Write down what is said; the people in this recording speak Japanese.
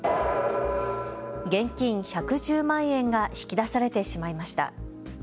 現金１１０万円が引き出されてしまいました。